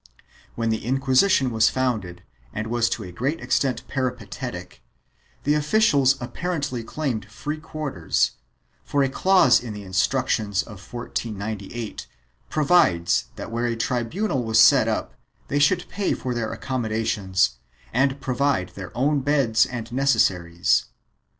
2 When the Inquisition was founded and was to a great extent peripatetic, its officials apparently claimed free quarters, for a clause in the Instructions of 1498 provides that where a tribunal was set up they should pay for their accommodations and provide their own beds and necessaries.